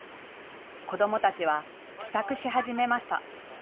子どもたちは帰宅し始めました。